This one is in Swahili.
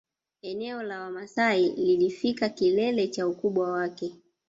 Eneo la Wamasai lilifika kilele cha ukubwa wake